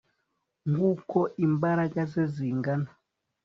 nkuko imbaraga ze zingana